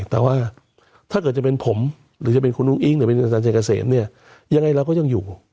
แต่ว่าถ้าเกิดจะเป็นผมหรือจะเป็นคุณอุ้งอิ๊งหรือเป็นอาจารย์เจกเกษมเนี่ยยังไงเราก็ยังอยู่